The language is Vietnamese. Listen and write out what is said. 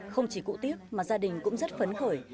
không chỉ cụ tiếp mà gia đình cũng rất phấn khởi